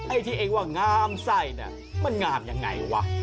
ไอ้ที่เอ็งว่างงามใส้มันงามยังไงวะ